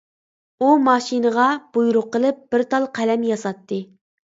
ئۇ ماشىنىغا بۇيرۇق قىلىپ بىر تال قەلەم ياساتتى.